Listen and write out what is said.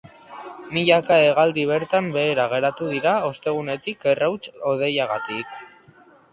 Milaka hegaldi bertan behera geratu dira ostegunetik errauts hodeiagatik.